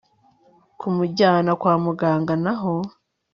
kumujyana kwa muganga naho